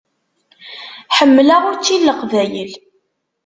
Ḥemmleɣ učči n Leqbayel.